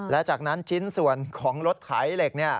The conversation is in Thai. และจากนั้นชิ้นส่วนของรถไถเหล็ก